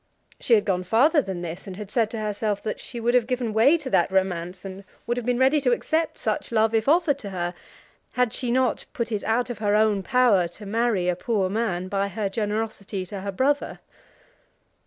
She had gone farther than this, and had said to herself that she would have given way to that romance, and would have been ready to accept such love if offered to her, had she not put it out of her own power to marry a poor man by her generosity to her brother.